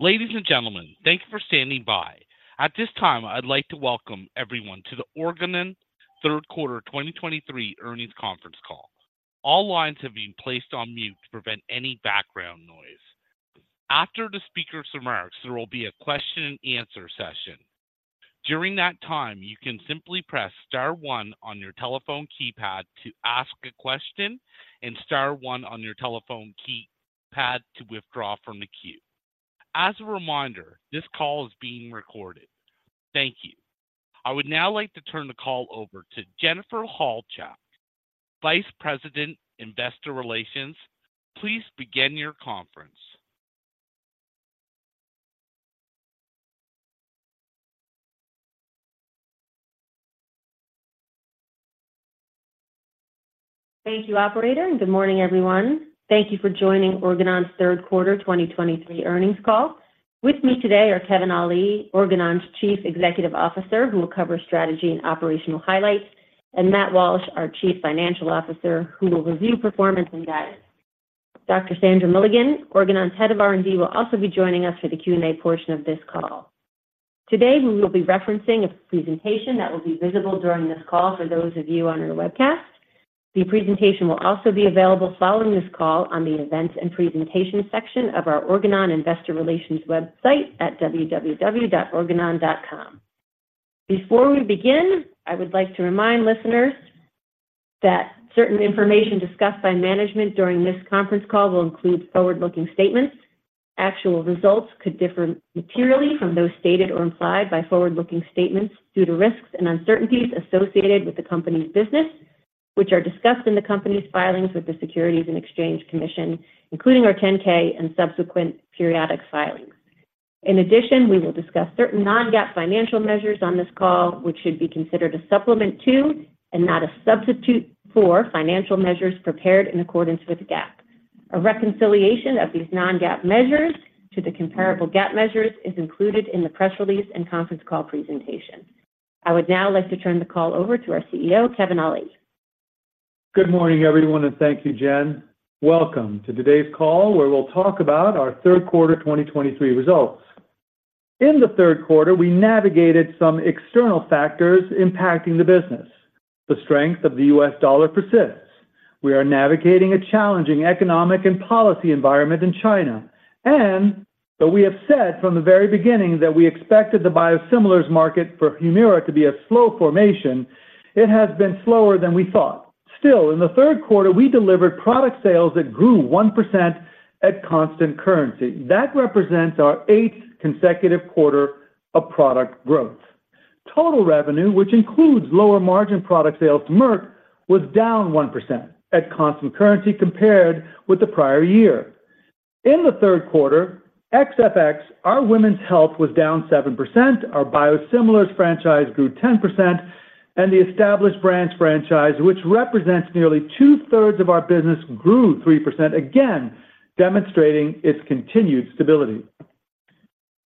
Ladies and gentlemen, thank you for standing by. At this time, I'd like to welcome everyone to the Organon Third Quarter 2023 Earnings Conference Call. All lines have been placed on mute to prevent any background noise. After the speaker's remarks, there will be a question-and-answer session. During that time, you can simply press star one on your telephone keypad to ask a question and star one on your telephone keypad to withdraw from the queue. As a reminder, this call is being recorded. Thank you. I would now like to turn the call over to Jennifer Halchak, Vice President, Investor Relations. Please begin your conference. Thank you, operator, and good morning, everyone. Thank you for joining Organon's Q3 2023 earnings call. With me today are Kevin Ali, Organon's Chief Executive Officer, who will cover strategy and operational highlights, and Matt Walsh, our Chief Financial Officer, who will review performance and guidance. Dr. Sandra Milligan, Organon's Head of R&D, will also be joining us for the Q&A portion of this call. Today, we will be referencing a presentation that will be visible during this call for those of you on our webcast. The presentation will also be available following this call on the Events and Presentation section of our Organon Investor Relations website at www.organon.com. Before we begin, I would like to remind listeners that certain information discussed by management during this conference call will include forward-looking statements. Actual results could differ materially from those stated or implied by forward-looking statements due to risks and uncertainties associated with the company's business, which are discussed in the company's filings with the Securities and Exchange Commission, including our 10-K and subsequent periodic filings. In addition, we will discuss certain non-GAAP financial measures on this call, which should be considered a supplement to and not a substitute for financial measures prepared in accordance with GAAP. A reconciliation of these non-GAAP measures to the comparable GAAP measures is included in the press release and conference call presentation. I would now like to turn the call over to our CEO, Kevin Ali. Good morning, everyone, and thank you, Jen. Welcome to today's call, where we'll talk about our Q3 2023 results. In the Q3, we navigated some external factors impacting the business. The strength of the US dollar persists. We are navigating a challenging economic and policy environment in China. And though we have said from the very beginning that we expected the Biosimilars market for HUMIRA to be a slow formation, it has been slower than we thought. Still, in the Q3, we delivered product sales that grew 1% at constant currency. That represents our eighth consecutive quarter of product growth. Total revenue, which includes lower-margin product sales to Merck, was down 1% at constant currency compared with the prior year. In the Q3, ex-FX, our Women's Health, was down 7%, our Biosimilars franchise grew 10%, and the Established Brands franchise, which represents nearly two-thirds of our business, grew 3%, again, demonstrating its continued stability.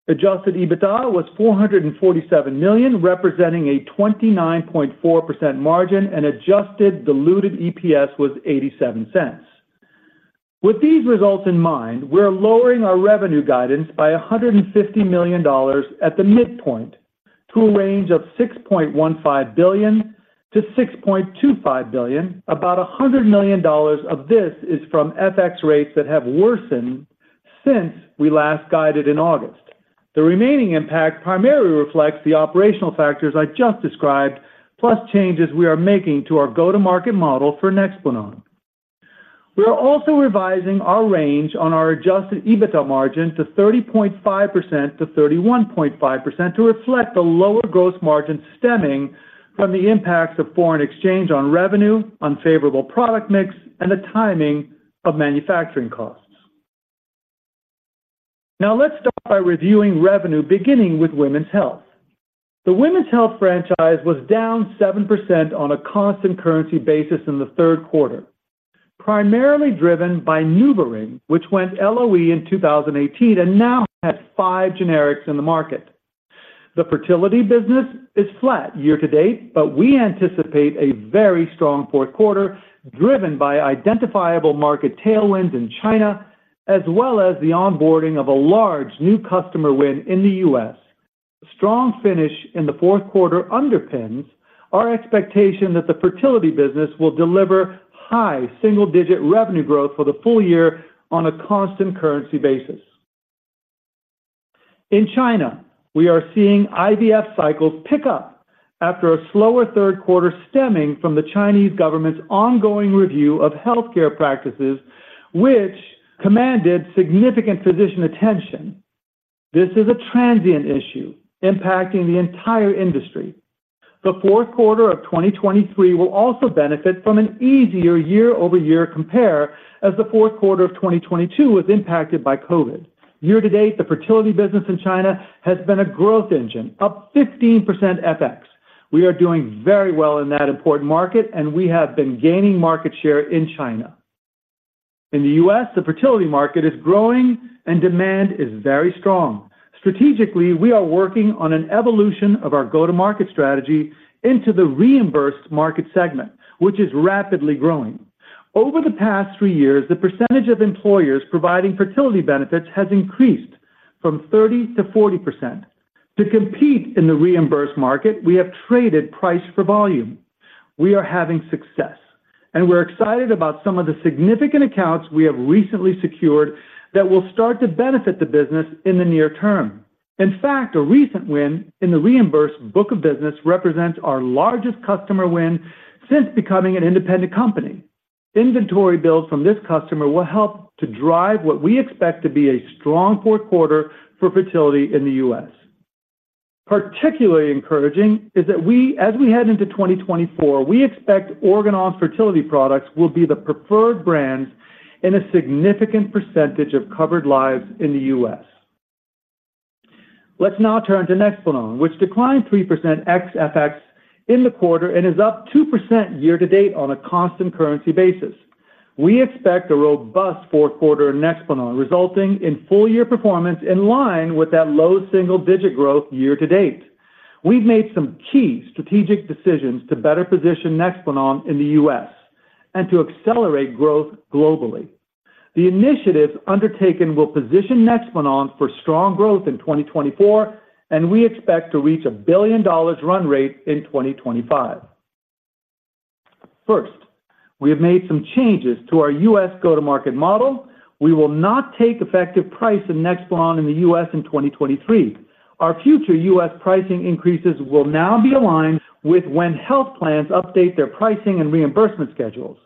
Adjusted EBITDA was $447 million, representing a 29.4% margin, and adjusted diluted EPS was $0.87. With these results in mind, we're lowering our revenue guidance by $150 million at the midpoint to a range of $6.15 billion-$6.25 billion. About $100 million of this is from FX rates that have worsened since we last guided in August. The remaining impact primarily reflects the operational factors I just described, plus changes we are making to our go-to-market model for NEXPLANON. We are also revising our range on our Adjusted EBITDA margin to 30.5%-31.5% to reflect the lower gross margin stemming from the impacts of foreign exchange on revenue, unfavorable product mix, and the timing of manufacturing costs. Now, let's start by reviewing revenue, beginning with Women's Health. The Women's Health franchise was down 7% on a constant currency basis in the Q3, primarily driven by NuvaRing, which went LOE in 2018 and now has five generics in the market. The fertility business is flat year to date, but we anticipate a very strong Q4, driven by identifiable market tailwinds in China, as well as the onboarding of a large new customer win in the U.S. Strong finish in the Q4 underpins our expectation that the fertility business will deliver high single-digit revenue growth for the full year on a constant currency basis. In China, we are seeing IVF cycles pick up after a slower Q3 stemming from the Chinese government's ongoing review of healthcare practices, which commanded significant physician attention. This is a transient issue impacting the entire industry. The Q4 of 2023 will also benefit from an easier year-over-year compare as the Q4 of 2022 was impacted by COVID. Year to date, the fertility business in China has been a growth engine, up 15% FX. We are doing very well in that important market, and we have been gaining market share in China. In the U.S., the fertility market is growing and demand is very strong. Strategically, we are working on an evolution of our go-to-market strategy into the reimbursed market segment, which is rapidly growing. Over the past three years, the percentage of employers providing fertility benefits has increased from 30%-40%. To compete in the reimbursed market, we have traded price for volume. We are having success, and we're excited about some of the significant accounts we have recently secured that will start to benefit the business in the near term. In fact, a recent win in the reimbursed book of business represents our largest customer win since becoming an independent company. Inventory build from this customer will help to drive what we expect to be a strong Q4 for fertility in the US. Particularly encouraging is that we, as we head into 2024, we expect Organon fertility products will be the preferred brands in a significant percentage of covered lives in the U.S. Let's now turn to NEXPLANON, which declined 3% ex FX in the quarter and is up 2% year to date on a constant currency basis. We expect a robust Q4 in NEXPLANON, resulting in full year performance in line with that low single-digit growth year to date. We've made some key strategic decisions to better position NEXPLANON in the U.S. and to accelerate growth globally. The initiatives undertaken will position NEXPLANON for strong growth in 2024, and we expect to reach a $1 billion run rate in 2025. First, we have made some changes to our U.S. go-to-market model. We will not take effective price in NEXPLANON in the U.S. in 2023. Our future U.S. pricing increases will now be aligned with when health plans update their pricing and reimbursement schedules.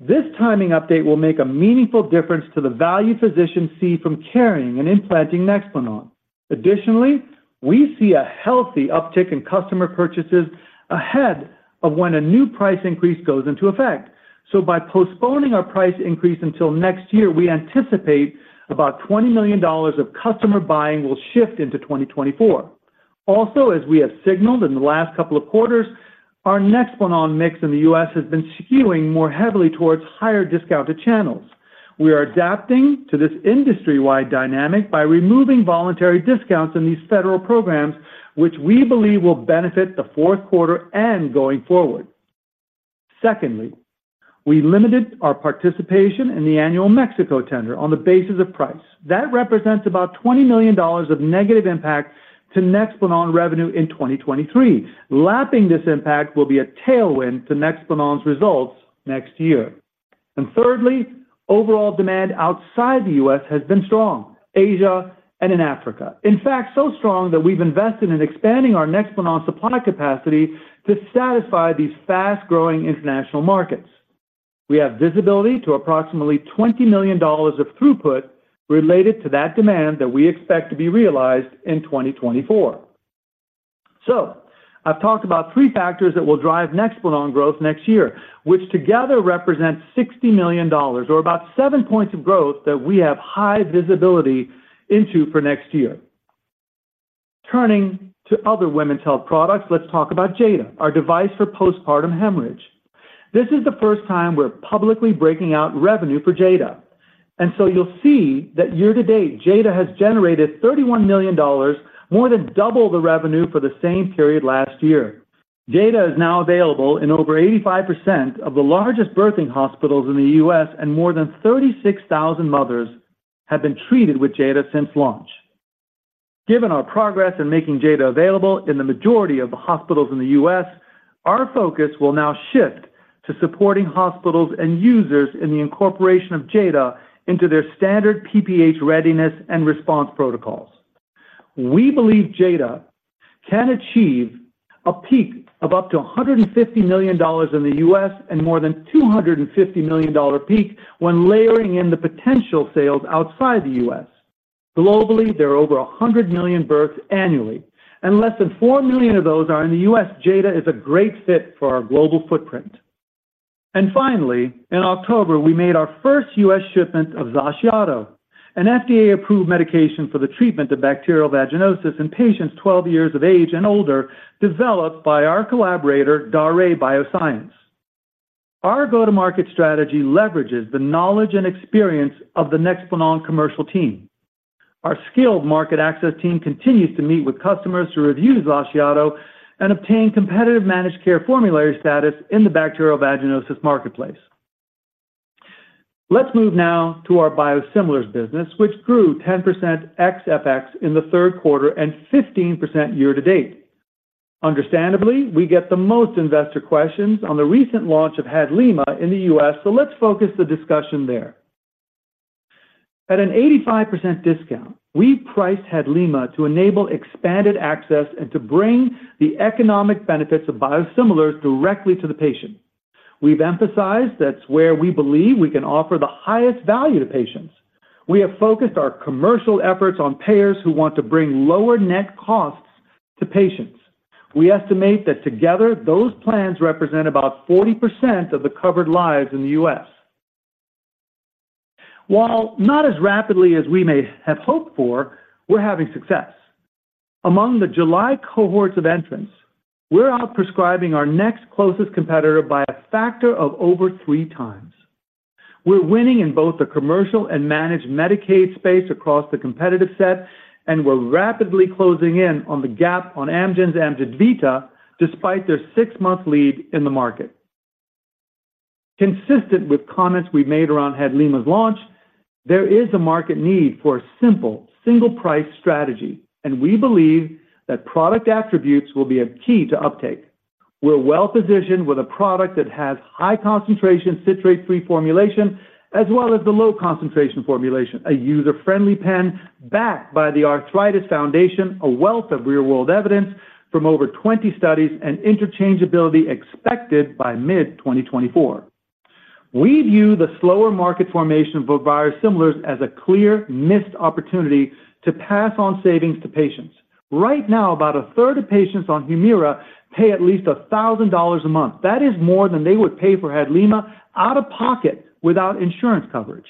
This timing update will make a meaningful difference to the value physicians see from carrying and implanting NEXPLANON. Additionally, we see a healthy uptick in customer purchases ahead of when a new price increase goes into effect. So by postponing our price increase until next year, we anticipate about $20 million of customer buying will shift into 2024. Also, as we have signaled in the last couple of quarters, our NEXPLANON mix in the U.S. has been skewing more heavily towards higher discounted channels. We are adapting to this industry-wide dynamic by removing voluntary discounts in these federal programs, which we believe will benefit the Q4 and going forward. Secondly, we limited our participation in the annual Mexico tender on the basis of price. That represents about $20 million of negative impact to NEXPLANON revenue in 2023. Lapping this impact will be a tailwind to NEXPLANON's results next year. And thirdly, overall demand outside the U.S. has been strong, in Asia and in Africa. In fact, so strong that we've invested in expanding our NEXPLANON supply capacity to satisfy these fast-growing international markets. We have visibility to approximately $20 million of throughput related to that demand that we expect to be realized in 2024. So I've talked about three factors that will drive NEXPLANON growth next year, which together represent $60 million or about 7 points of growth that we have high visibility into for next year. Turning to other women's health products, let's talk about Jada, our device for postpartum hemorrhage. This is the first time we're publicly breaking out revenue for Jada. So you'll see that year to date, Jada has generated $31 million, more than double the revenue for the same period last year. Jada is now available in over 85% of the largest birthing hospitals in the US, and more than 36,000 mothers have been treated with Jada since launch. Given our progress in making Jada available in the majority of the hospitals in the US, our focus will now shift to supporting hospitals and users in the incorporation of Jada into their standard PPH readiness and response protocols. We believe Jada can achieve a peak of up to $150 million in the US and more than $250 million-dollar peak when layering in the potential sales outside the US. Globally, there are over 100 million births annually, and less than 4 million of those are in the U.S. Jada is a great fit for our global footprint. Finally, in October, we made our first U.S. shipment of Xaciato, an FDA-approved medication for the treatment of bacterial vaginosis in patients 12 years of age and older, developed by our collaborator, Daré Bioscience. Our go-to-market strategy leverages the knowledge and experience of the NEXPLANON commercial team. Our skilled market access team continues to meet with customers to review Xaciato and obtain competitive managed care formulary status in the bacterial vaginosis marketplace. Let's move now to our biosimilars business, which grew 10% ex-FX in the Q3 and 15% year to date. Understandably, we get the most investor questions on the recent launch of HADLIMA in the U.S., so let's focus the discussion there. At an 85% discount, we priced HADLIMA to enable expanded access and to bring the economic benefits of biosimilars directly to the patient. We've emphasized that's where we believe we can offer the highest value to patients. We have focused our commercial efforts on payers who want to bring lower net costs to patients. We estimate that together, those plans represent about 40% of the covered lives in the U.S. While not as rapidly as we may have hoped for, we're having success. Among the July cohorts of entrants, we're out-prescribing our next closest competitor by a factor of over three times... We're winning in both the commercial and managed Medicaid space across the competitive set, and we're rapidly closing in on the gap on Amgen's AMJEVITA, despite their six-month lead in the market. Consistent with comments we've made around HADLIMA's launch, there is a market need for a simple, single-price strategy, and we believe that product attributes will be a key to uptake. We're well-positioned with a product that has high-concentration citrate-free formulation, as well as the low-concentration formulation, a user-friendly pen backed by the Arthritis Foundation, a wealth of real-world evidence from over 20 studies, and interchangeability expected by mid-2024. We view the slower market formation for biosimilars as a clear missed opportunity to pass on savings to patients. Right now, about a third of patients on HUMIRA pay at least $1,000 a month. That is more than they would pay for HADLIMA out of pocket without insurance coverage.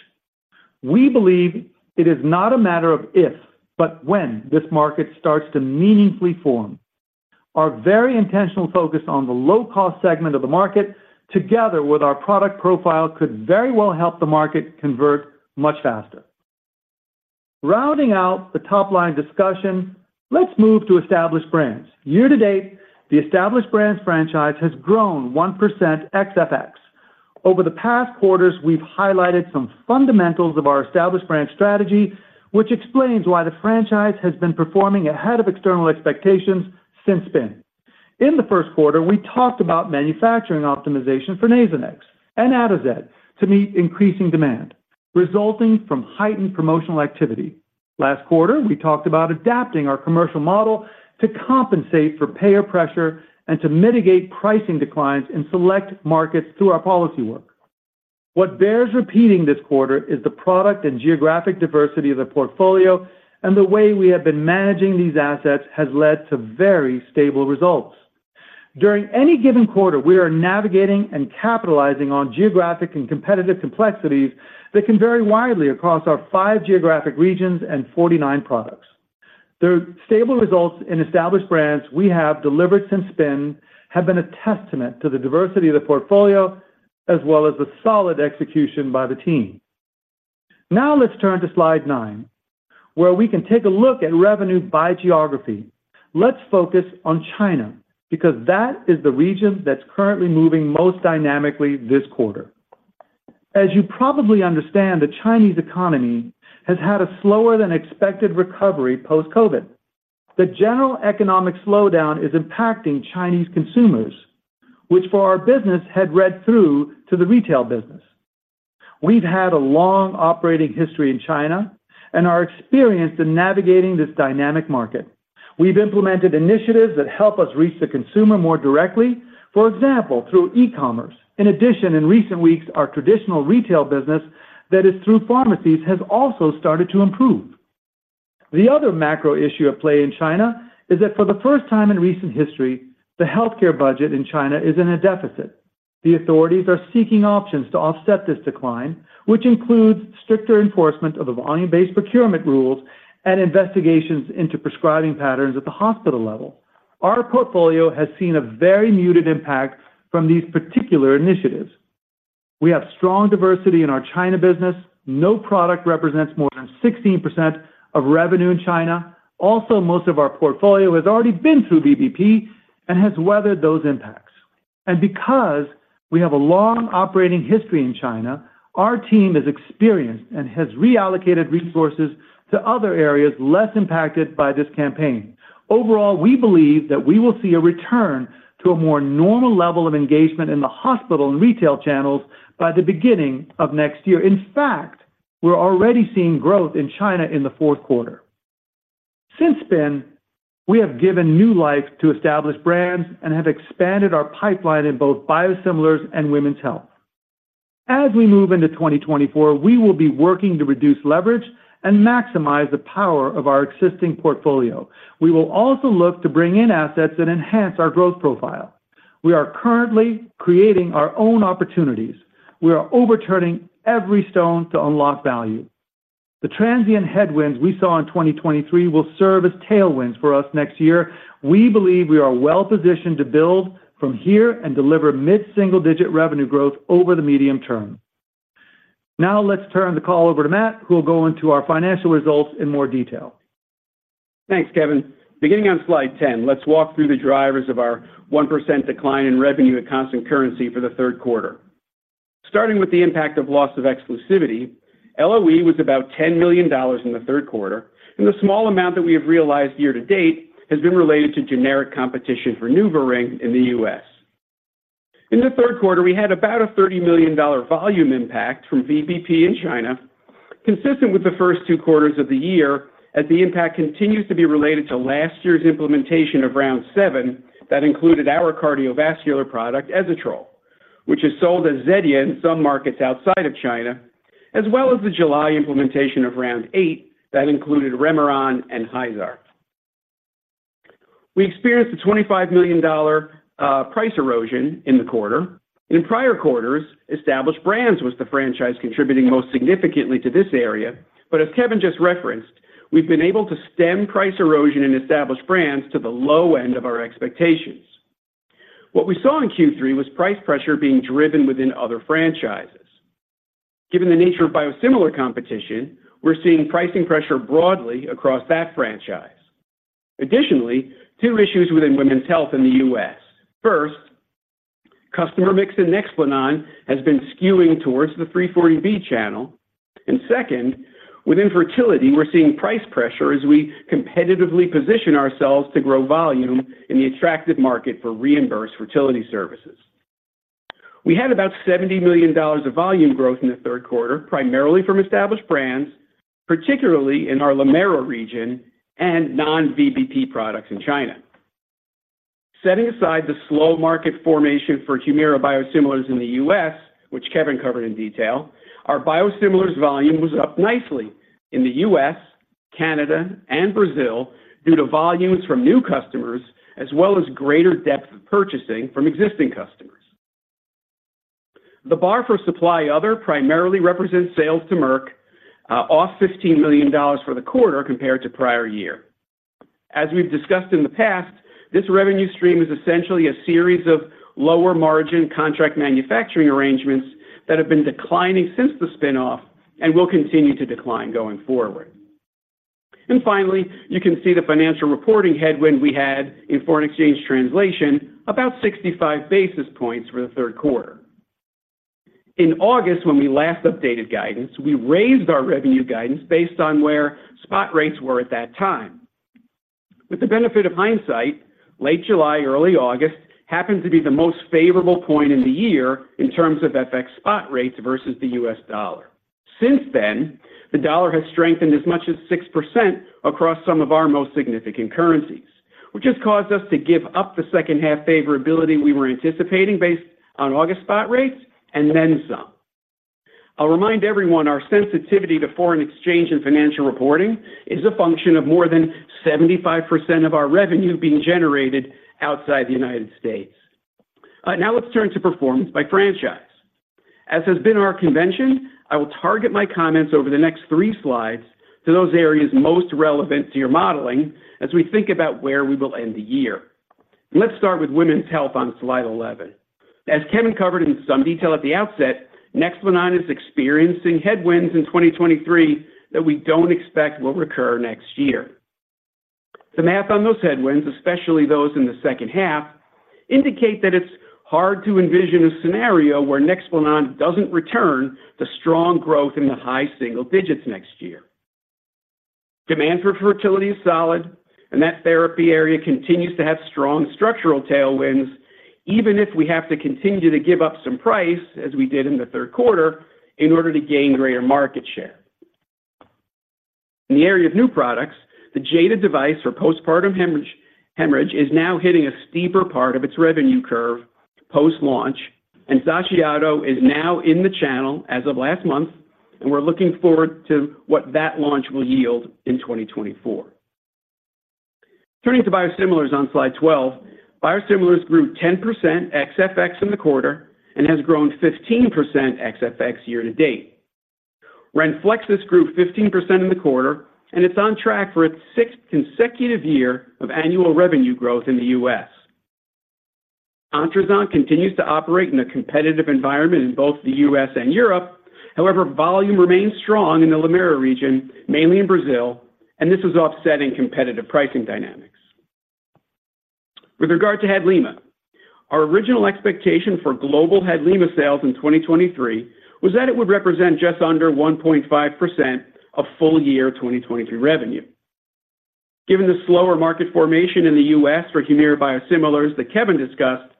We believe it is not a matter of if, but when, this market starts to meaningfully form. Our very intentional focus on the low-cost segment of the market, together with our product profile, could very well help the market convert much faster. Rounding out the top-line discussion, let's move to Established Brands. Year to date, the Established Brands franchise has grown 1% ex-FX. Over the past quarters, we've highlighted some fundamentals of our Established Brands strategy, which explains why the franchise has been performing ahead of external expectations since then. In the first quarter, we talked about manufacturing optimization for Nasonex and Atozet to meet increasing demand, resulting from heightened promotional activity. Last quarter, we talked about adapting our commercial model to compensate for payer pressure and to mitigate pricing declines in select markets through our policy work. What bears repeating this quarter is the product and geographic diversity of the portfolio, and the way we have been managing these assets has led to very stable results. During any given quarter, we are navigating and capitalizing on geographic and competitive complexities that can vary widely across our 5 geographic regions and 49 products. The stable results in Established Brands we have delivered since then have been a testament to the diversity of the portfolio, as well as the solid execution by the team. Now let's turn to slide nine, where we can take a look at revenue by geography. Let's focus on China, because that is the region that's currently moving most dynamically this quarter. As you probably understand, the Chinese economy has had a slower-than-expected recovery post-COVID. The general economic slowdown is impacting Chinese consumers, which for our business had read through to the retail business. We've had a long operating history in China and are experienced in navigating this dynamic market. We've implemented initiatives that help us reach the consumer more directly, for example, through e-commerce. In addition, in recent weeks, our traditional retail business, that is through pharmacies, has also started to improve. The other macro issue at play in China is that for the first time in recent history, the healthcare budget in China is in a deficit. The authorities are seeking options to offset this decline, which includes stricter enforcement of the volume-based procurement rules and investigations into prescribing patterns at the hospital level. Our portfolio has seen a very muted impact from these particular initiatives. We have strong diversity in our China business. No product represents more than 16% of revenue in China. Also, most of our portfolio has already been through VBP and has weathered those impacts. Because we have a long operating history in China, our team is experienced and has reallocated resources to other areas less impacted by this campaign. Overall, we believe that we will see a return to a more normal level of engagement in the hospital and retail channels by the beginning of next year. In fact, we're already seeing growth in China in the Q4. Since then, we have given new life to Established Brands and have expanded our pipeline in both biosimilars and women's health. As we move into 2024, we will be working to reduce leverage and maximize the power of our existing portfolio. We will also look to bring in assets that enhance our growth profile. We are currently creating our own opportunities. We are overturning every stone to unlock value. The transient headwinds we saw in 2023 will serve as tailwinds for us next year. We believe we are well positioned to build from here and deliver mid-single-digit revenue growth over the medium term. Now let's turn the call over to Matt, who will go into our financial results in more detail. Thanks, Kevin. Beginning on slide 10, let's walk through the drivers of our 1% decline in revenue at constant currency for the Q3. Starting with the impact of loss of exclusivity, LOE was about $10 million in the Q3, and the small amount that we have realized year to date has been related to generic competition for NuvaRing in the U.S. In the Q3, we had about a $30 million volume impact from VBP in China, consistent with the first two quarters of the year, as the impact continues to be related to last year's implementation of Round Seven that included our cardiovascular product, Ezetrol, which is sold as Zetia in some markets outside of China, as well as the July implementation of Round Eight that included Remeron and Hyzaar. We experienced a $25 million price erosion in the quarter. In prior quarters, Established Brands was the franchise contributing most significantly to this area, but as Kevin just referenced, we've been able to stem price erosion in Established Brands to the low end of our expectations. What we saw in Q3 was price pressure being driven within other franchises. Given the nature of biosimilar competition, we're seeing pricing pressure broadly across that franchise. Additionally, two issues within Women's Health in the U.S. First, customer mix in NEXPLANON has been skewing towards the 340B channel, and second, within fertility, we're seeing price pressure as we competitively position ourselves to grow volume in the attractive market for reimbursed fertility services. We had about $70 million of volume growth in the Q3, primarily from Established Brands, particularly in our LATAM region and non-VBP products in China. Setting aside the slow market formation for HUMIRA biosimilars in the U.S., which Kevin covered in detail, our biosimilars volume was up nicely in the U.S., Canada, and Brazil due to volumes from new customers, as well as greater depth of purchasing from existing customers. The bar for Supply Other primarily represents sales to Merck off $15 million for the quarter compared to prior year. As we've discussed in the past, this revenue stream is essentially a series of lower-margin contract manufacturing arrangements that have been declining since the spin-off and will continue to decline going forward. And finally, you can see the financial reporting headwind we had in foreign exchange translation, about 65 basis points for the Q3. In August, when we last updated guidance, we raised our revenue guidance based on where spot rates were at that time. With the benefit of hindsight, late July, early August, happened to be the most favorable point in the year in terms of FX spot rates versus the U.S. dollar. Since then, the dollar has strengthened as much as 6% across some of our most significant currencies, which has caused us to give up the second half favorability we were anticipating based on August spot rates and then some. I'll remind everyone, our sensitivity to foreign exchange and financial reporting is a function of more than 75% of our revenue being generated outside the United States. Now let's turn to performance by franchise. As has been our convention, I will target my comments over the next three slides to those areas most relevant to your modeling as we think about where we will end the year. Let's start with women's health on slide 11. As Kevin covered in some detail at the outset, NEXPLANON is experiencing headwinds in 2023 that we don't expect will recur next year. The math on those headwinds, especially those in the second half, indicate that it's hard to envision a scenario where NEXPLANON doesn't return to strong growth in the high single digits next year. Demand for fertility is solid, and that therapy area continues to have strong structural tailwinds, even if we have to continue to give up some price, as we did in the Q3, in order to gain greater market share. In the area of new products, the Jada device for postpartum hemorrhage is now hitting a steeper part of its revenue curve post-launch, and Xaciato is now in the channel as of last month, and we're looking forward to what that launch will yield in 2024. Turning to biosimilars on slide 12, biosimilars grew 10% ex-FX in the quarter and has grown 15% ex-FX year to date. Renflexis grew 15% in the quarter and it's on track for its sixth consecutive year of annual revenue growth in the U.S. Ontruzant continues to operate in a competitive environment in both the U.S. and Europe. However, volume remains strong in the LATAM region, mainly in Brazil, and this is offsetting competitive pricing dynamics. With regard to HADLIMA, our original expectation for global HADLIMA sales in 2023 was that it would represent just under 1.5% of full year 2023 revenue. Given the slower market formation in the U.S. for HUMIRA biosimilars that Kevin discussed,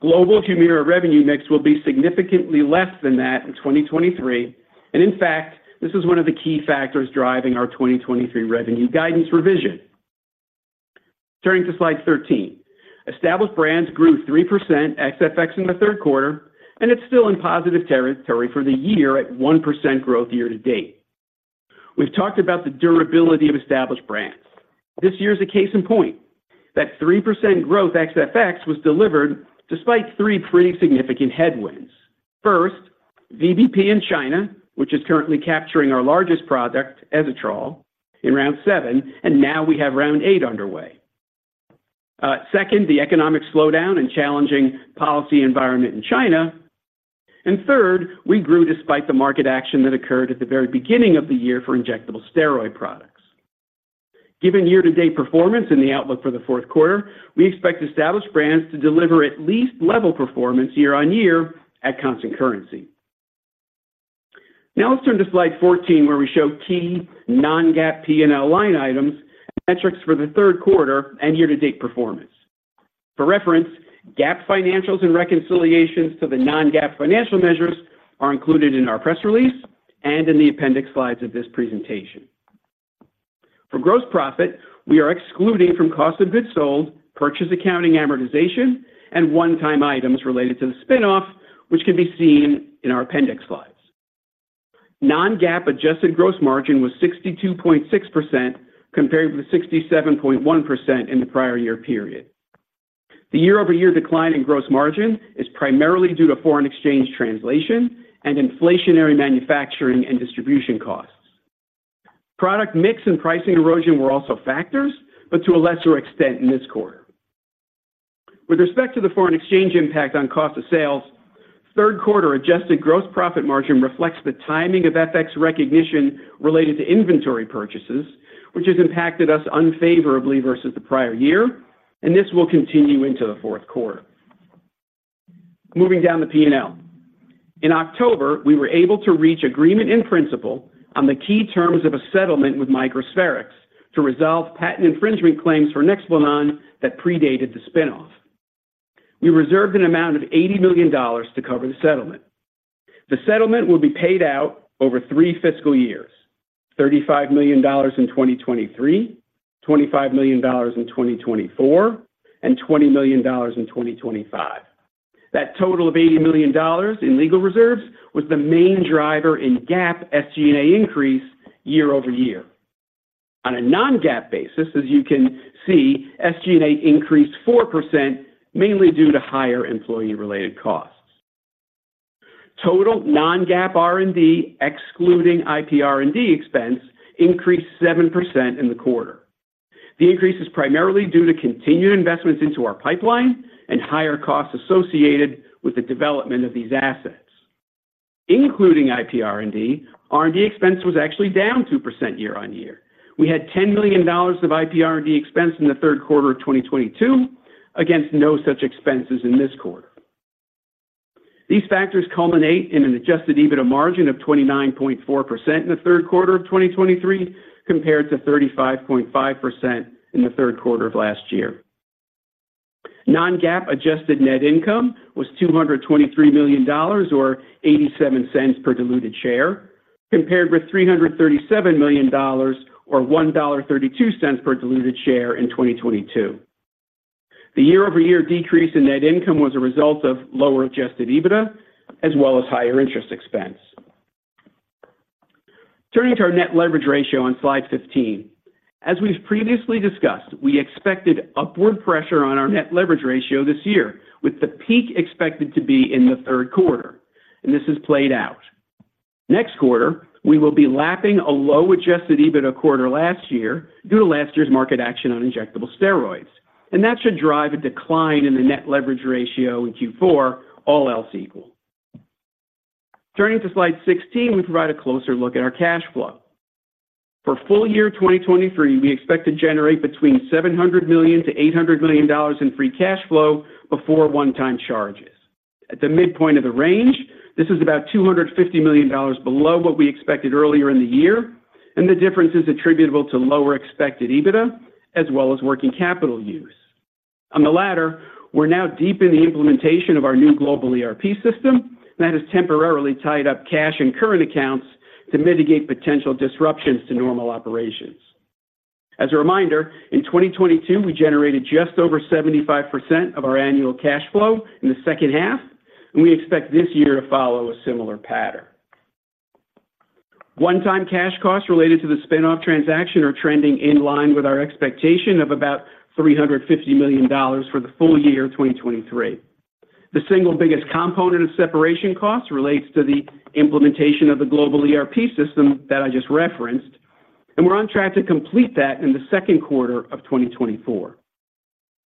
global HUMIRA revenue mix will be significantly less than that in 2023. And in fact, this is one of the key factors driving our 2023 revenue guidance revision. Turning to slide 13. Established Brands grew 3% ex-FX in the Q3, and it's still in positive territory for the year at 1% growth year to date. We've talked about the durability of Established Brands. This year is a case in point. That 3% growth ex-FX was delivered despite three pretty significant headwinds. First, VBP in China, which is currently capturing our largest product, Ezetrol, in Round Seven, and now we have Round Eight underway. Second, the economic slowdown and challenging policy environment in China. And third, we grew despite the market action that occurred at the very beginning of the year for injectable steroid products. Given year-to-date performance and the outlook for the Q4, we expect Established Brands to deliver at least level performance year-on-year at constant currency. Now, let's turn to slide 14, where we show key non-GAAP P&L line items, metrics for the Q3 and year-to-date performance. For reference, GAAP financials and reconciliations to the non-GAAP financial measures are included in our press release and in the appendix slides of this presentation. For gross profit, we are excluding from cost of goods sold, purchase accounting amortization, and one-time items related to the spin-off, which can be seen in our appendix slides. Non-GAAP adjusted gross margin was 62.6%, compared with 67.1% in the prior year period. The year-over-year decline in gross margin is primarily due to foreign exchange translation and inflationary manufacturing and distribution costs.... Product mix and pricing erosion were also factors, but to a lesser extent in this quarter. With respect to the foreign exchange impact on cost of sales, Q3 adjusted gross profit margin reflects the timing of FX recognition related to inventory purchases, which has impacted us unfavorably versus the prior year, and this will continue into the Q4. Moving down the P&L. In October, we were able to reach agreement in principle on the key terms of a settlement with Microspherix to resolve patent infringement claims for NEXPLANON that predated the spin-off. We reserved an amount of $80 million to cover the settlement. The settlement will be paid out over three fiscal years: $35 million in 2023, $25 million in 2024, and $20 million in 2025. That total of $80 million in legal reserves was the main driver in GAAP SG&A increase year-over-year. On a non-GAAP basis, as you can see, SG&A increased 4%, mainly due to higher employee-related costs. Total non-GAAP R&D, excluding IP R&D expense, increased 7% in the quarter. The increase is primarily due to continued investments into our pipeline and higher costs associated with the development of these assets. Including IP R&D, R&D expense was actually down 2% year-over-year. We had $10 million of IP R&D expense in the Q3 of 2022, against no such expenses in this quarter. These factors culminate in an Adjusted EBITDA margin of 29.4% in the Q3 of 2023, compared to 35.5% in the Q3 of last year. Non-GAAP adjusted net income was $223 million, or $0.87 per diluted share, compared with $337 million, or $1.32 per diluted share in 2022. The year-over-year decrease in net income was a result of lower Adjusted EBITDA, as well as higher interest expense. Turning to our net leverage ratio on slide 15. As we've previously discussed, we expected upward pressure on our net leverage ratio this year, with the peak expected to be in the Q3, and this has played out. Next quarter, we will be lapping a low Adjusted EBITDA quarter last year due to last year's market action on injectable steroids, and that should drive a decline in the net leverage ratio in Q4, all else equal. Turning to slide 16, we provide a closer look at our cash flow. For full year 2023, we expect to generate between $700 million-$800 million in free cash flow before one-time charges. At the midpoint of the range, this is about $250 million below what we expected earlier in the year, and the difference is attributable to lower expected EBITDA as well as working capital use. On the latter, we're now deep in the implementation of our new global ERP system, and that has temporarily tied up cash and current accounts to mitigate potential disruptions to normal operations. As a reminder, in 2022, we generated just over 75% of our annual cash flow in the second half, and we expect this year to follow a similar pattern. One-time cash costs related to the spin-off transaction are trending in line with our expectation of about $350 million for the full year of 2023. The single biggest component of separation costs relates to the implementation of the global ERP system that I just referenced, and we're on track to complete that in the second quarter of 2024.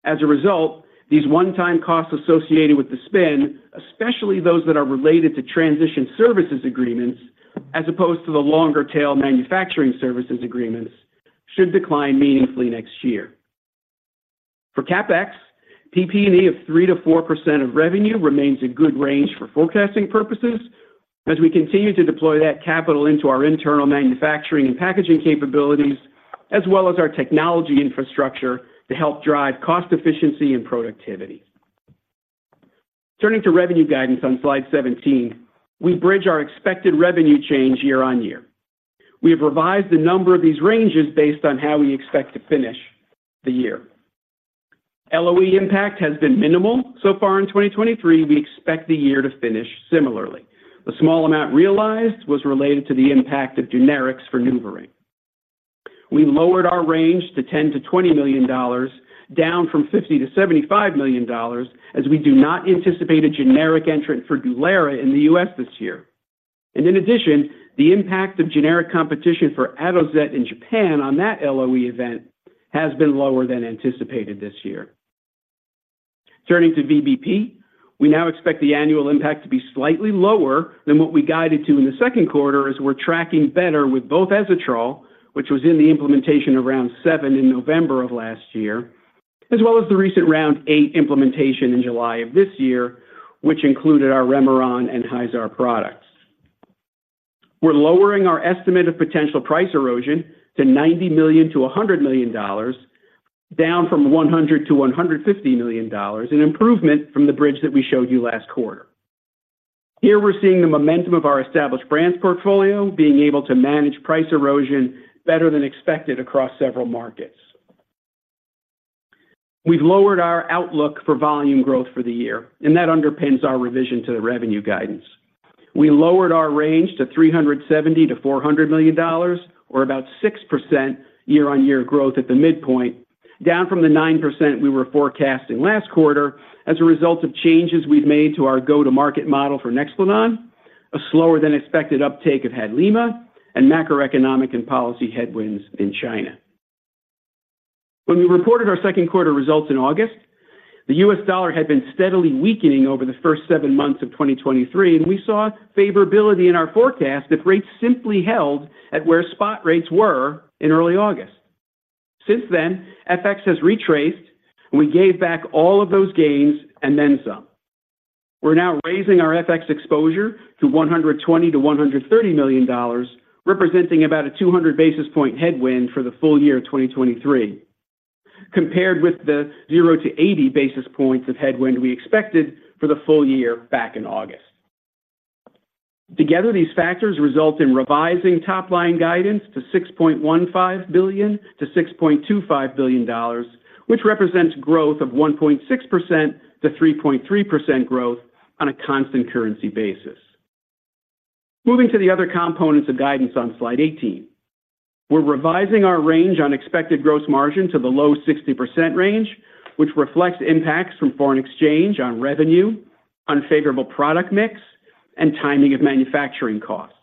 As a result, these one-time costs associated with the spin, especially those that are related to transition services agreements, as opposed to the longer-tail manufacturing services agreements, should decline meaningfully next year. For CapEx, PP&E of 3%-4% of revenue remains a good range for forecasting purposes as we continue to deploy that capital into our internal manufacturing and packaging capabilities, as well as our technology infrastructure to help drive cost efficiency and productivity. Turning to revenue guidance on slide 17, we bridge our expected revenue change year-over-year. We have revised a number of these ranges based on how we expect to finish the year. LOE impact has been minimal so far in 2023. We expect the year to finish similarly. The small amount realized was related to the impact of generics for NuvaRing. We lowered our range to $10 million-$20 million, down from $50 million-$75 million, as we do not anticipate a generic entrant for DULERA in the U.S. this year. And in addition, the impact of generic competition for Atozet in Japan on that LOE event has been lower than anticipated this year. Turning to VBP, we now expect the annual impact to be slightly lower than what we guided to in the second quarter, as we're tracking better with both Ezetrol, which was in the implementation of Round Seven in November of last year, as well as the recent Round Eight implementation in July of this year, which included our Remeron and Hyzaar products. We're lowering our estimate of potential price erosion to $90 million-$100 million, down from $100 million-$150 million, an improvement from the bridge that we showed you last quarter. Here, we're seeing the momentum of our Established Brands portfolio being able to manage price erosion better than expected across several markets. We've lowered our outlook for volume growth for the year, and that underpins our revision to the revenue guidance. We lowered our range to $370 million-$400 million, or about 6% year-on-year growth at the midpoint, down from the 9% we were forecasting last quarter as a result of changes we've made to our go-to-market model for NEXPLANON, a slower than expected uptake of HADLIMA, and macroeconomic and policy headwinds in China. When we reported our second quarter results in August, the U.S. dollar had been steadily weakening over the first seven months of 2023, and we saw favorability in our forecast if rates simply held at where spot rates were in early August. Since then, FX has retraced, and we gave back all of those gains and then some. We're now raising our FX exposure to $120 million-$130 million, representing about a 200 basis point headwind for the full year of 2023, compared with the 0-80 basis points of headwind we expected for the full year back in August. Together, these factors result in revising top-line guidance to $6.15 billion-$6.25 billion, which represents growth of 1.6%-3.3% growth on a constant currency basis. Moving to the other components of guidance on slide 18. We're revising our range on expected gross margin to the low 60% range, which reflects impacts from foreign exchange on revenue, unfavorable product mix, and timing of manufacturing costs.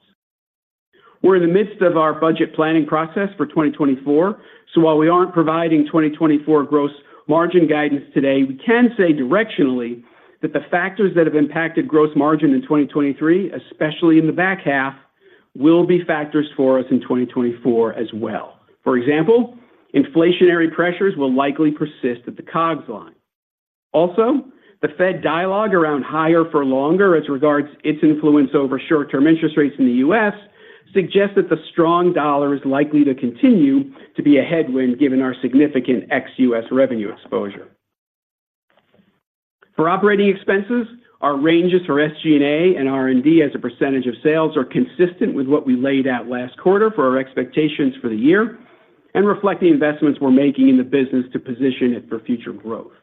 We're in the midst of our budget planning process for 2024, so while we aren't providing 2024 gross margin guidance today, we can say directionally that the factors that have impacted gross margin in 2023, especially in the back half, will be factors for us in 2024 as well. For example, inflationary pressures will likely persist at the COGS line. Also, the Fed dialogue around higher for longer as regards its influence over short-term interest rates in the U.S., suggests that the strong dollar is likely to continue to be a headwind, given our significant ex-U.S. revenue exposure. For operating expenses, our ranges for SG&A and R&D as a percentage of sales are consistent with what we laid out last quarter for our expectations for the year and reflect the investments we're making in the business to position it for future growth.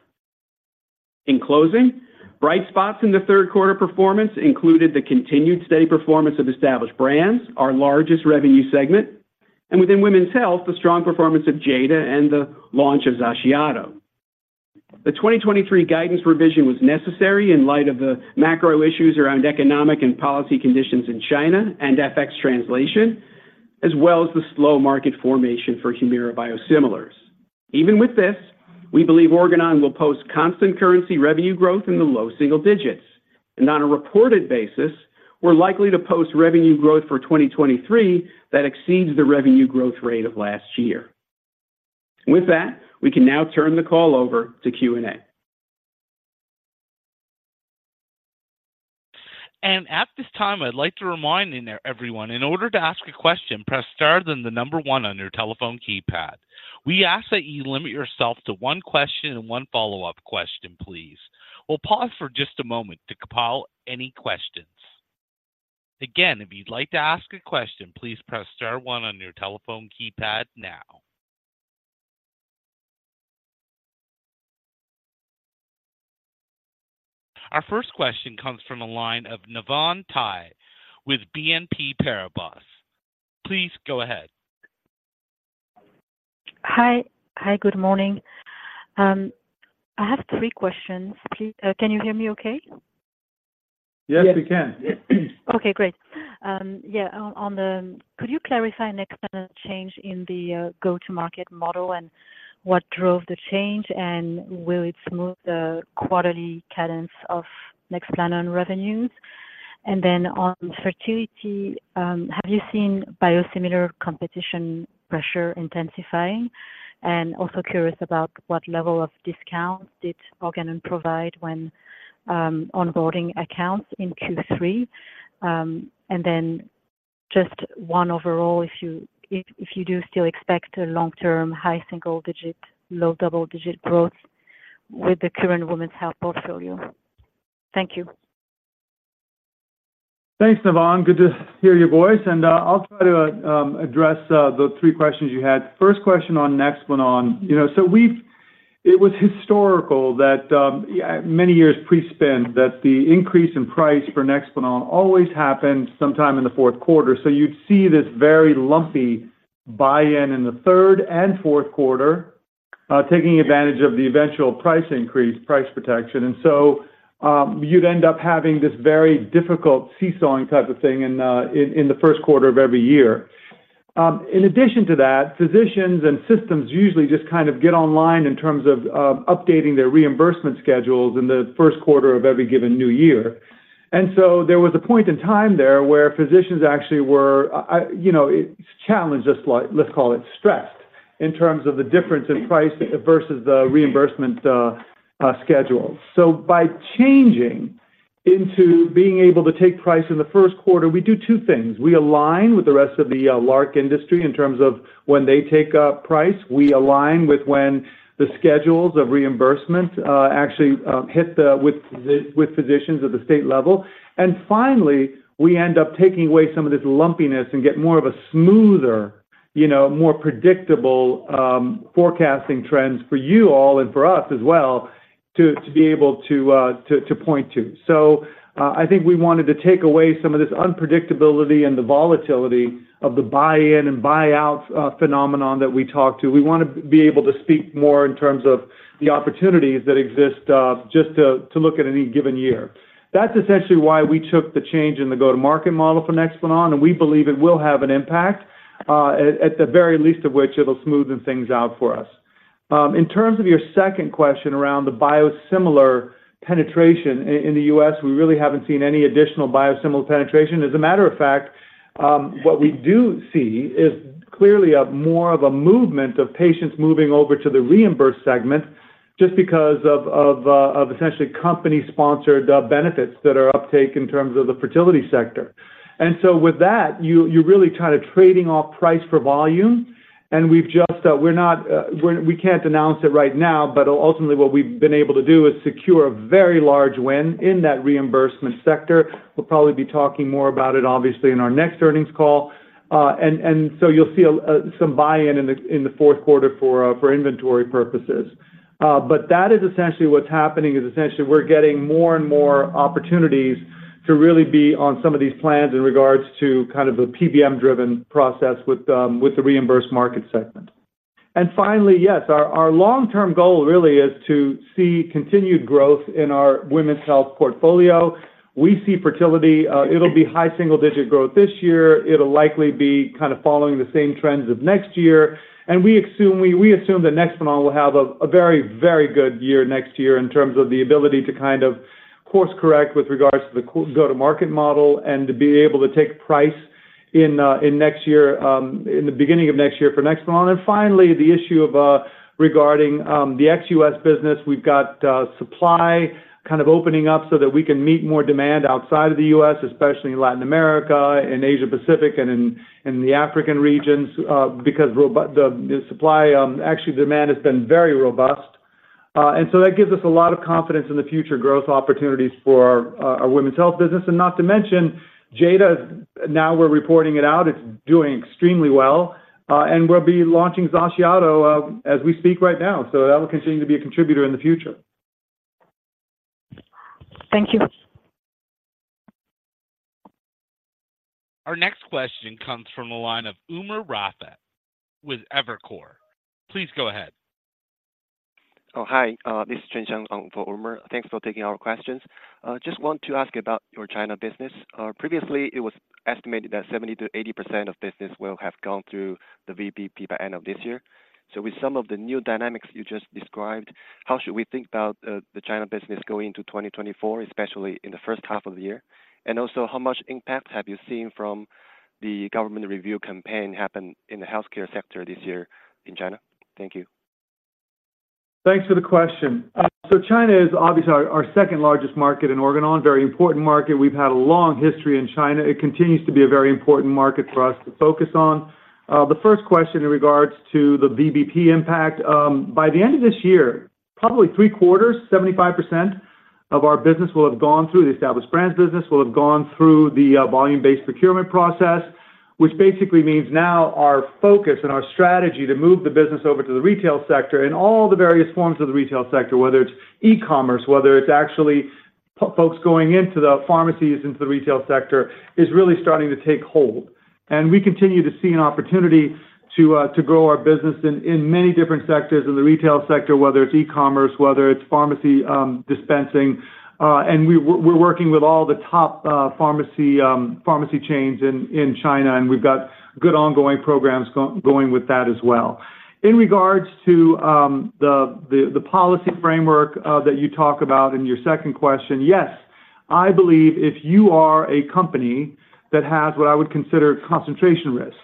In closing, bright spots in the Q3 performance included the continued steady performance of Established Brands, our largest revenue segment, and within women's health, the strong performance of Jada and the launch of Xaciato. The 2023 guidance revision was necessary in light of the macro issues around economic and policy conditions in China and FX translation, as well as the slow market formation for HUMIRA biosimilars. Even with this, we believe Organon will post constant currency revenue growth in the low single digits, and on a reported basis, we're likely to post revenue growth for 2023 that exceeds the revenue growth rate of last year. With that, we can now turn the call over to Q&A. At this time, I'd like to remind everyone, in order to ask a question, press star, then one on your telephone keypad. We ask that you limit yourself to one question and one follow-up question, please. We'll pause for just a moment to compile any questions. Again, if you'd like to ask a question, please press star one on your telephone keypad now. Our first question comes from the line of Navann Ty with BNP Paribas. Please go ahead. Hi. Hi, good morning. I have three questions. Please, can you hear me okay? Yes, we can. Yes. Okay, great. Yeah, on the next change in the go-to-market model and what drove the change, and will it smooth the quarterly cadence of NEXPLANON revenues? And then on fertility, have you seen biosimilar competition pressure intensifying? And also curious about what level of discount did Organon provide when onboarding accounts in Q3. And then just one overall, if you do still expect a long-term, high single digit, low double-digit growth with the current women's health portfolio. Thank you. Thanks, Navann. Good to hear your voice, and, I'll try to address those three questions you had. First question on NEXPLANON. You know, so we've-- it was historical that, yeah, many years pre-spin, that the increase in price for NEXPLANON always happened sometime in the Q4. So you'd see this very lumpy buy in in the third and Q4, taking advantage of the eventual price increase, price protection. And so, you'd end up having this very difficult seesawing type of thing in, in the first quarter of every year. In addition to that, physicians and systems usually just kind of get online in terms of, updating their reimbursement schedules in the first quarter of every given new year. And so there was a point in time there where physicians actually were, you know, challenged, let's call it, stressed, in terms of the difference in price versus the reimbursement schedule. So by changing into being able to take price in the first quarter, we do two things. We align with the rest of the LARC industry in terms of when they take up price. We align with when the schedules of reimbursement actually hit physicians at the state level. And finally, we end up taking away some of this lumpiness and get more of a smoother, you know, more predictable forecasting trends for you all and for us as well. ...to be able to point to. So, I think we wanted to take away some of this unpredictability and the volatility of the buy-in and buy-out phenomenon that we talked to. We want to be able to speak more in terms of the opportunities that exist just to look at any given year. That's essentially why we took the change in the go-to-market model for NEXPLANON, and we believe it will have an impact at the very least of which, it'll smoothen things out for us. In terms of your second question around the biosimilar penetration in the U.S., we really haven't seen any additional biosimilar penetration. As a matter of fact, what we do see is clearly more of a movement of patients moving over to the reimbursed segment just because of essentially company-sponsored benefits that are uptake in terms of the fertility sector. And so with that, you, you're really kind of trading off price for volume, and we've just, we can't announce it right now, but ultimately what we've been able to do is secure a very large win in that reimbursement sector. We'll probably be talking more about it, obviously, in our next earnings call, and so you'll see some buy-in in the Q4 for inventory purposes. But that is essentially what's happening, is essentially we're getting more and more opportunities to really be on some of these plans in regards to kind of a PBM-driven process with the reimbursed market segment. And finally, yes, our long-term goal really is to see continued growth in our women's health portfolio. We see fertility; it'll be high single digit growth this year. It'll likely be kind of following the same trends of next year, and we assume, we assume that NEXPLANON will have a very, very good year next year in terms of the ability to kind of course correct with regards to the go-to-market model and to be able to take price in next year, in the beginning of next year for NEXPLANON. Finally, the issue regarding the ex-US business, we've got supply kind of opening up so that we can meet more demand outside of the US, especially in Latin America, in Asia Pacific, and in the African regions, because demand has been very robust. And so that gives us a lot of confidence in the future growth opportunities for our women's health business, and not to mention Jada, now we're reporting it out, it's doing extremely well, and we'll be launching Xaciato as we speak right now, so that will continue to be a contributor in the future. Thank you. Our next question comes from the line of Umer Raffat with Evercore. Please go ahead. Oh, hi, this is Chen Shang for Umer. Thanks for taking our questions. Just want to ask about your China business. Previously, it was estimated that 70%-80% of business will have gone through the VBP by end of this year. So with some of the new dynamics you just described, how should we think about the China business going into 2024, especially in the first half of the year? And also, how much impact have you seen from the government review campaign happened in the healthcare sector this year in China? Thank you. Thanks for the question. So China is obviously our, our second largest market in Organon, very important market. We've had a long history in China. It continues to be a very important market for us to focus on. The first question in regards to the VBP impact, by the end of this year, probably three-quarters, 75% of our business will have gone through... the Established Brands business will have gone through the, volume-based procurement process, which basically means now our focus and our strategy to move the business over to the retail sector and all the various forms of the retail sector, whether it's e-commerce, whether it's actually folks going into the pharmacies, into the retail sector, is really starting to take hold. We continue to see an opportunity to grow our business in many different sectors of the retail sector, whether it's e-commerce, whether it's pharmacy dispensing, and we're working with all the top pharmacy chains in China, and we've got good ongoing programs going with that as well. In regards to the policy framework that you talk about in your second question, yes, I believe if you are a company that has what I would consider concentration risk,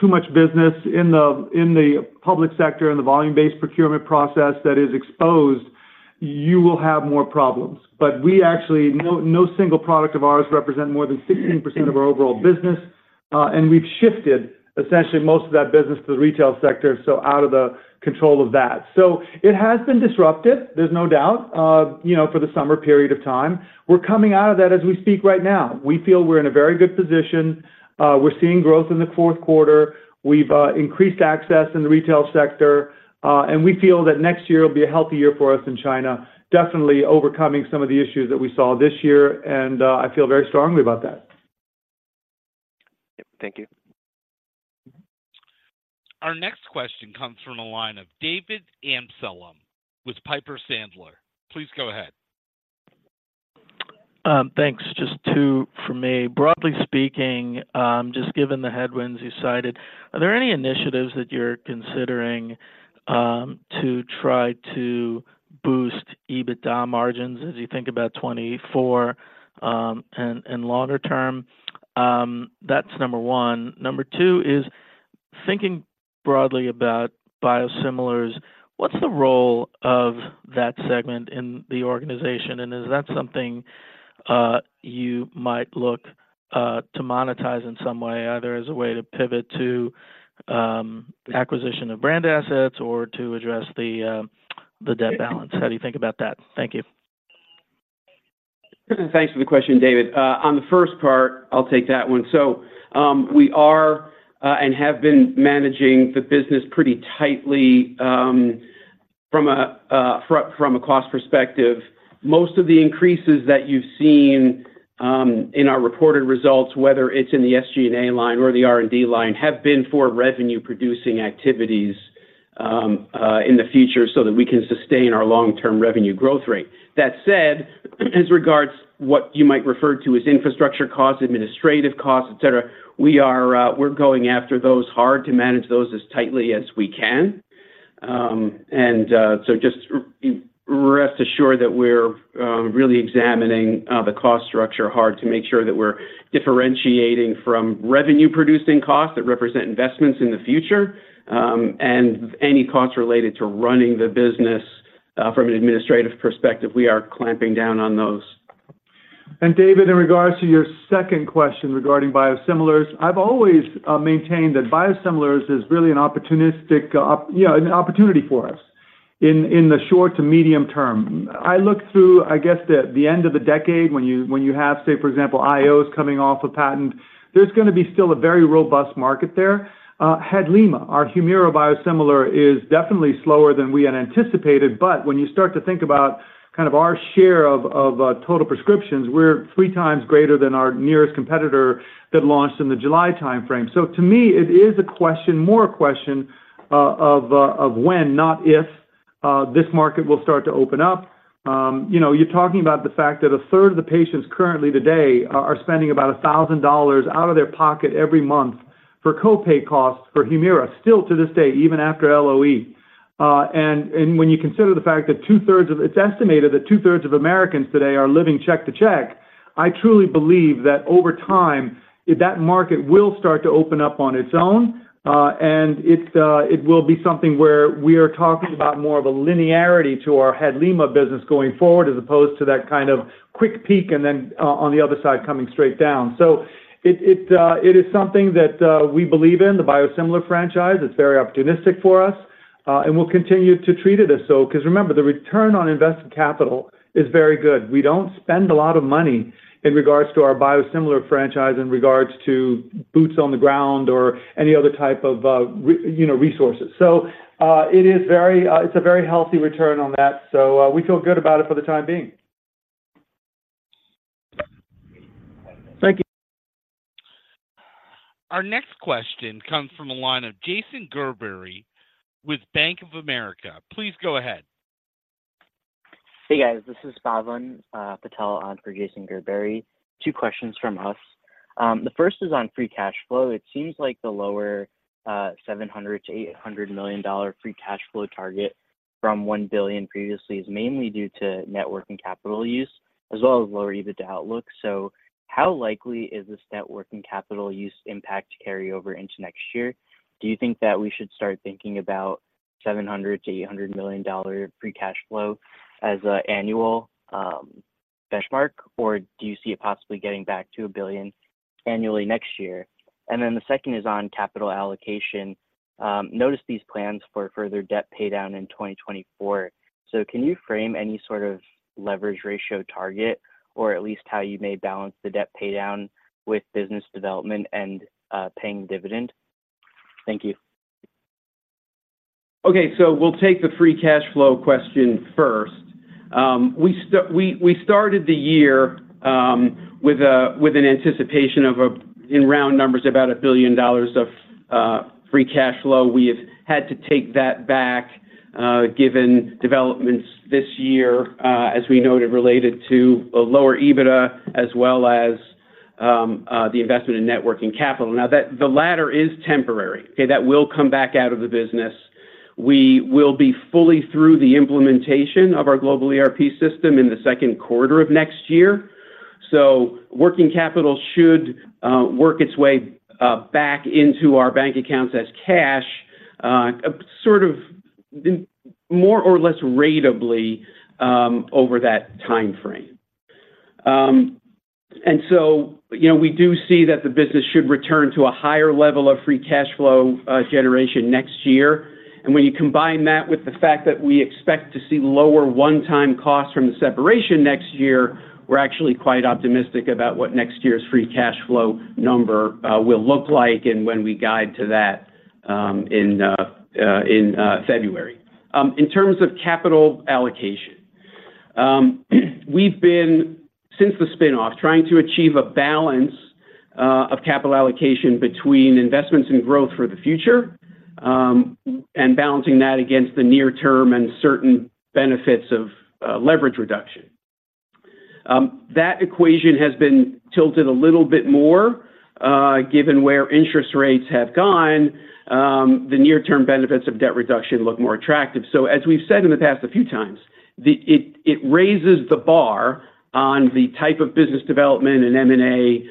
too much business in the public sector and the Volume-Based Procurement process that is exposed, you will have more problems. But we actually, no, no single product of ours represent more than 16% of our overall business, and we've shifted essentially most of that business to the retail sector, so out of the control of that. So it has been disrupted, there's no doubt, you know, for the summer period of time. We're coming out of that as we speak right now. We feel we're in a very good position. We're seeing growth in the Q4. We've increased access in the retail sector, and we feel that next year will be a healthy year for us in China, definitely overcoming some of the issues that we saw this year, and I feel very strongly about that. Yep. Thank you. Our next question comes from the line of David Amsellem with Piper Sandler. Please go ahead. Thanks. Just two from me. Broadly speaking, just given the headwinds you cited, are there any initiatives that you're considering to try to boost EBITDA margins as you think about 2024 and longer term? That's number one. Number two is: thinking broadly about biosimilars, what's the role of that segment in the organization? And is that something you might look to monetize in some way, either as a way to pivot to acquisition of brand assets or to address the debt balance? How do you think about that? Thank you.... Thanks for the question, David. On the first part, I'll take that one. So, we are and have been managing the business pretty tightly from a cost perspective. Most of the increases that you've seen in our reported results, whether it's in the SG&A line or the R&D line, have been for revenue-producing activities in the future so that we can sustain our long-term revenue growth rate. That said, as regards what you might refer to as infrastructure costs, administrative costs, et cetera, we are, we're going after those hard to manage those as tightly as we can. And so just rest assured that we're really examining the cost structure hard to make sure that we're differentiating from revenue-producing costs that represent investments in the future, and any costs related to running the business from an administrative perspective. We are clamping down on those. David, in regards to your second question regarding biosimilars, I've always maintained that biosimilars is really an opportunistic, you know, an opportunity for us in the short to medium term. I look through, I guess, the end of the decade, when you have, say, for example, IOs coming off of patent, there's gonna be still a very robust market there. HADLIMA, our HUMIRA biosimilar, is definitely slower than we had anticipated, but when you start to think about kind of our share of total prescriptions, we're three times greater than our nearest competitor that launched in the July timeframe. So to me, it is a question, more a question of when, not if, this market will start to open up. You know, you're talking about the fact that a third of the patients currently today are spending about $1,000 out of their pocket every month for co-pay costs for HUMIRA, still to this day, even after LOE. And, and when you consider the fact that two-thirds of... It's estimated that two-thirds of Americans today are living check to check, I truly believe that over time, that market will start to open up on its own, and it, it will be something where we are talking about more of a linearity to our HADLIMA business going forward, as opposed to that kind of quick peak and then, on the other side, coming straight down. So it, it, it is something that, we believe in, the biosimilar franchise. It's very opportunistic for us, and we'll continue to treat it as so. 'Cause remember, the return on invested capital is very good. We don't spend a lot of money in regards to our biosimilar franchise, in regards to boots on the ground or any other type of, you know, resources. So, it is very, it's a very healthy return on that, so, we feel good about it for the time being. Thank you. Our next question comes from the line of Jason Gerberry with Bank of America. Please go ahead. Hey, guys, this is Pavan Patel on for Jason Gerberry. Two questions from us. The first is on free cash flow. It seems like the lower $700 million-$800 million free cash flow target from $1 billion previously is mainly due to net working capital use, as well as lower EBITDA outlook. So how likely is this net working capital use impact to carry over into next year? Do you think that we should start thinking about $700 million-$800 million free cash flow as an annual benchmark? Or do you see it possibly getting back to a billion annually next year? And then the second is on capital allocation. Noticed these plans for further debt paydown in 2024. Can you frame any sort of leverage ratio target, or at least how you may balance the debt paydown with business development and paying dividend? Thank you. Okay, so we'll take the free cash flow question first. We started the year with an anticipation of, in round numbers, about $1 billion of free cash flow. We have had to take that back given developments this year, as we noted, related to a lower EBITDA, as well as the investment in net working capital. Now, the latter is temporary. Okay? That will come back out of the business. We will be fully through the implementation of our global ERP system in the second quarter of next year. So working capital should work its way back into our bank accounts as cash, sort of in more or less ratably over that timeframe. And so, you know, we do see that the business should return to a higher level of free cash flow generation next year. And when you combine that with the fact that we expect to see lower one-time costs from the separation next year, we're actually quite optimistic about what next year's free cash flow number will look like and when we guide to that, in February. In terms of capital allocation, we've been, since the spin-off, trying to achieve a balance of capital allocation between investments and growth for the future, and balancing that against the near term and certain benefits of leverage reduction. That equation has been tilted a little bit more, given where interest rates have gone, the near term benefits of debt reduction look more attractive. So as we've said in the past a few times, it raises the bar on the type of business development and M&A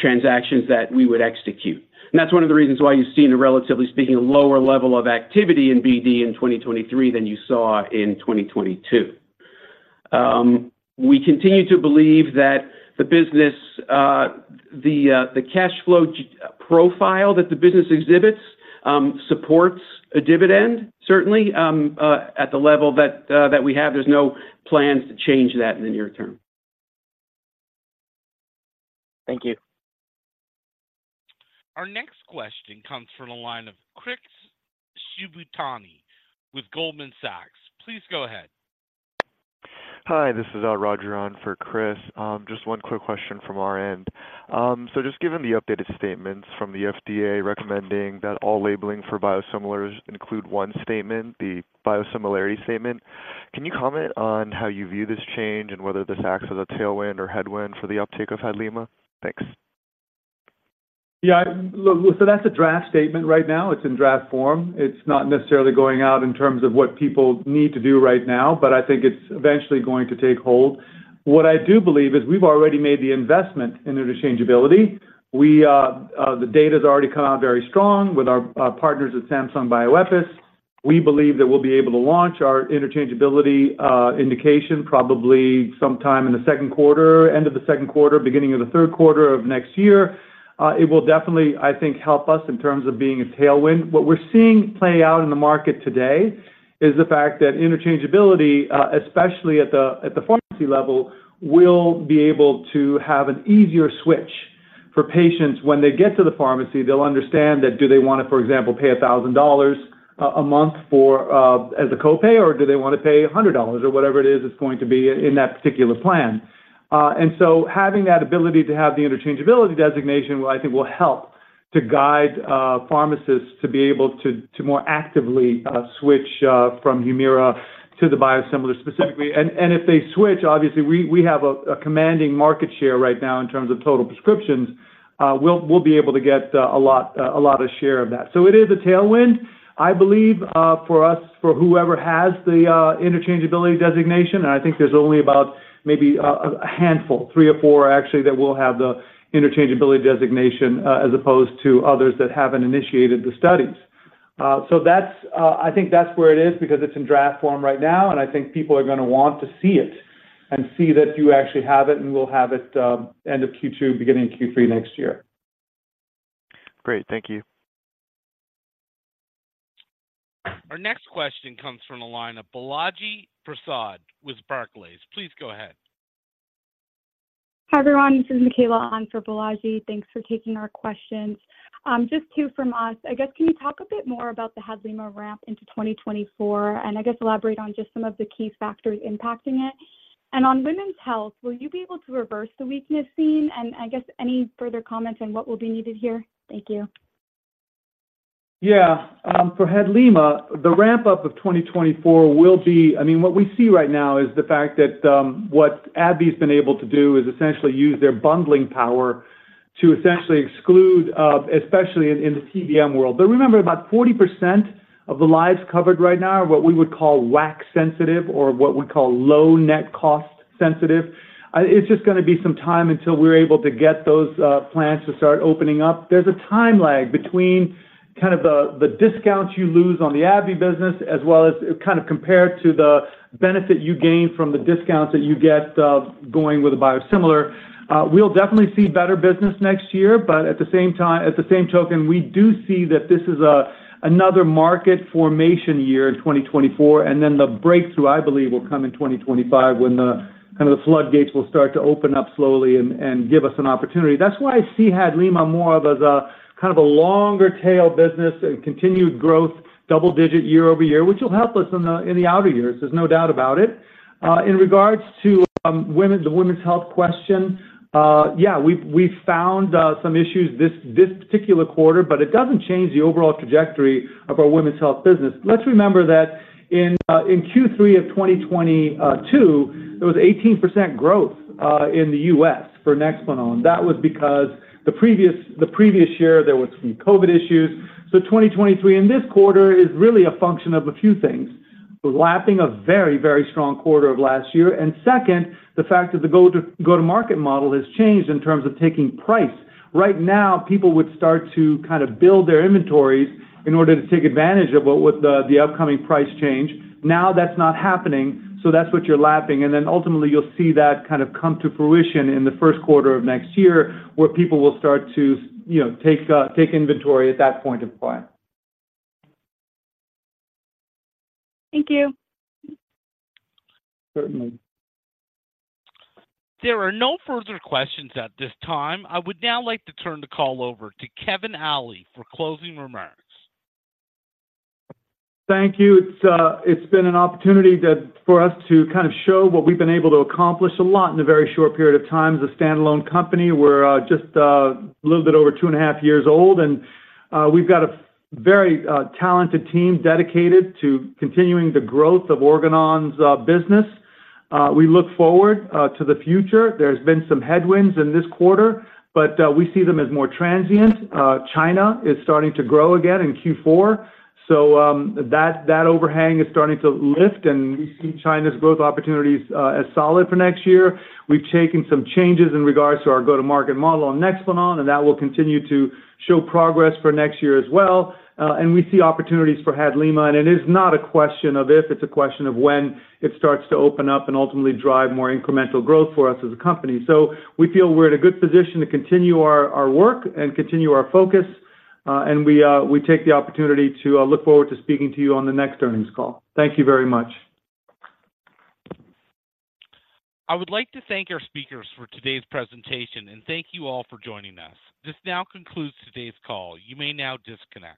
transactions that we would execute. And that's one of the reasons why you've seen, relatively speaking, a lower level of activity in BD in 2023 than you saw in 2022. We continue to believe that the business, the cash flow profile that the business exhibits-... supports a dividend, certainly, at the level that we have. There's no plans to change that in the near term. Thank you. Our next question comes from the line of Chris Shibutani with Goldman Sachs. Please go ahead. Hi, this is Roger on for Chris. Just one quick question from our end. So just given the updated statements from the FDA recommending that all labeling for biosimilars include one statement, the biosimilarity statement, can you comment on how you view this change and whether this acts as a tailwind or headwind for the uptake of HADLIMA? Thanks. Yeah, look, so that's a draft statement right now. It's in draft form. It's not necessarily going out in terms of what people need to do right now, but I think it's eventually going to take hold. What I do believe is we've already made the investment in interchangeability. We, the data's already come out very strong with our partners at Samsung Bioepis. We believe that we'll be able to launch our interchangeability indication probably sometime in the second quarter, end of the second quarter, beginning of the Q3 of next year. It will definitely, I think, help us in terms of being a tailwind. What we're seeing play out in the market today is the fact that interchangeability, especially at the pharmacy level, will be able to have an easier switch for patients. When they get to the pharmacy, they'll understand that do they wanna, for example, pay $1,000 a month for as a copay, or do they wanna pay $100? Or whatever it is, it's going to be in that particular plan. And so having that ability to have the interchangeability designation, I think, will help to guide pharmacists to be able to more actively switch from HUMIRA to the biosimilar specifically. And if they switch, obviously, we have a commanding market share right now in terms of total prescriptions. We'll be able to get a lot of share of that. So it is a tailwind, I believe, for us, for whoever has the interchangeability designation. I think there's only about maybe a handful, three or four actually, that will have the interchangeability designation, as opposed to others that haven't initiated the studies. So that's, I think that's where it is because it's in draft form right now, and I think people are gonna want to see it, and see that you actually have it, and we'll have it, end of Q2, beginning of Q3 next year. Great. Thank you. Our next question comes from the line of Balaji Prasad with Barclays. Please go ahead. Hi, everyone, this is Mikaela on for Balaji. Thanks for taking our questions. Just two from us. I guess, can you talk a bit more about the HADLIMA ramp into 2024, and I guess elaborate on just some of the key factors impacting it? And on women's health, will you be able to reverse the weakness seen, and I guess any further comments on what will be needed here? Thank you. Yeah. For HADLIMA, the ramp-up of 2024 will be... I mean, what we see right now is the fact that, what AbbVie's been able to do is essentially use their bundling power to essentially exclude, especially in the PBM world. But remember, about 40% of the lives covered right now are what we would call WAC sensitive or what we call low net cost sensitive. It's just gonna be some time until we're able to get those plans to start opening up. There's a time lag between kind of the discounts you lose on the AbbVie business, as well as kind of compared to the benefit you gain from the discounts that you get, going with a biosimilar. We'll definitely see better business next year, but at the same time, at the same token, we do see that this is another market formation year in 2024, and then the breakthrough, I believe, will come in 2025, when kind of the floodgates will start to open up slowly and give us an opportunity. That's why I see HADLIMA more of as a kind of a longer tail business and continued growth, double-digit year-over-year, which will help us in the outer years. There's no doubt about it. In regards to the women's health question, yeah, we've found some issues this particular quarter, but it doesn't change the overall trajectory of our women's health business. Let's remember that in Q3 of 2022, there was 18% growth in the US for NEXPLANON. That was because the previous year, there was some COVID issues. So 2023, and this quarter is really a function of a few things. We're lapping a very, very strong quarter of last year. And second, the fact that the go-to-market model has changed in terms of taking price. Right now, people would start to kind of build their inventories in order to take advantage of what with the upcoming price change. Now, that's not happening, so that's what you're lapping, and then ultimately you'll see that kind of come to fruition in the first quarter of next year, where people will start to, you know, take inventory at that point in time. Thank you. Certainly. There are no further questions at this time. I would now like to turn the call over to Kevin Ali for closing remarks. Thank you. It's been an opportunity that for us to kind of show what we've been able to accomplish a lot in a very short period of time. As a standalone company, we're just a little bit over two and a half years old, and we've got a very talented team dedicated to continuing the growth of Organon's business. We look forward to the future. There's been some headwinds in this quarter, but we see them as more transient. China is starting to grow again in Q4, so that overhang is starting to lift, and we see China's growth opportunities as solid for next year. We've taken some changes in regards to our go-to-market model on NEXPLANON, and that will continue to show progress for next year as well. And we see opportunities for HADLIMA, and it is not a question of if, it's a question of when it starts to open up and ultimately drive more incremental growth for us as a company. So we feel we're in a good position to continue our work and continue our focus, and we take the opportunity to look forward to speaking to you on the next earnings call. Thank you very much. I would like to thank our speakers for today's presentation, and thank you all for joining us. This now concludes today's call. You may now disconnect.